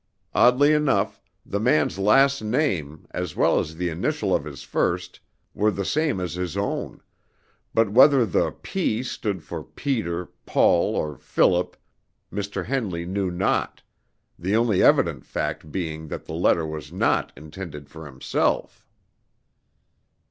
Oddly enough, the man's last name, as well as the initial of his first, were the same as his own; but whether the P. stood for Peter, Paul, or Philip, Mr. Henley knew not, the only evident fact being that the letter was not intended for himself.